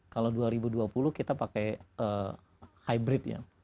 kalau dua ribu dua puluh kita pakai hybrid ya